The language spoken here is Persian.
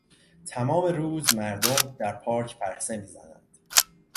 تمام روز مردم در پارک پرسه میزدند.